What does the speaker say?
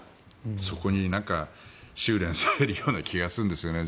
そこに収れんされるような気がするんですよね。